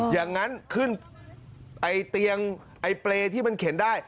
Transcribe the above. อย่างนั้นขึ้นไอ้เตียงไอ้เปรย์ที่มันเข็นได้